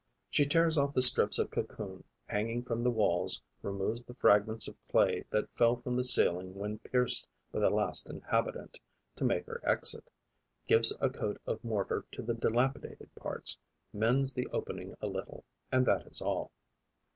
She tears off the strips of cocoon hanging from the walls, removes the fragments of clay that fell from the ceiling when pierced by the last inhabitant to make her exit, gives a coat of mortar to the dilapidated parts, mends the opening a little; and that is all.